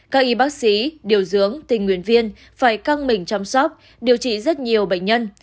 các y bác sĩ điều dưỡng tình nguyện viên phải căng mình chăm sóc điều trị rất nhiều bệnh nhân